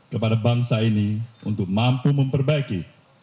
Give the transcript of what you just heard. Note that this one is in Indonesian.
kepada bangsa ini untuk mampu memperbaiki